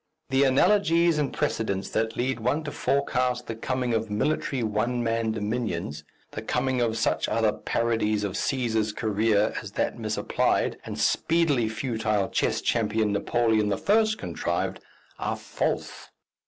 The analogies and precedents that lead one to forecast the coming of military one man dominions, the coming of such other parodies of Cæsar's career as that misapplied, and speedily futile chess champion, Napoleon I. contrived, are false.